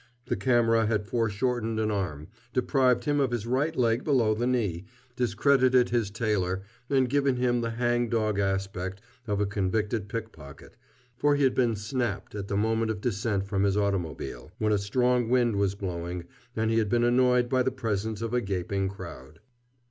The camera had foreshortened an arm, deprived him of his right leg below the knee, discredited his tailor, and given him the hang dog aspect of a convicted pickpocket, for he had been "snapped" at the moment of descent from his automobile, when a strong wind was blowing, and he had been annoyed by the presence of a gaping crowd.